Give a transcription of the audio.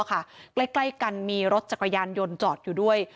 ใกล้กันมีรถจักรยานยนต์จอดอยู่ด้วย